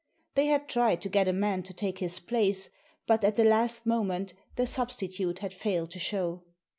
They had tried to get a man to take his place, but at the last moment the substitute had failed to show.